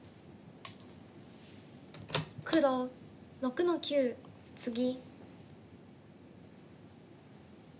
黒６の九ツギ。